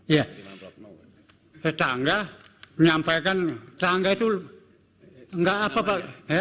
iya tetangga menyampaikan tetangga itu tidak apa apa